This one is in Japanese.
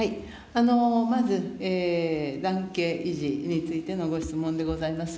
まず、男系維持についてのご質問でございます。